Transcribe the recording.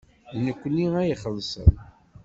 D nekkni ad ixellṣen.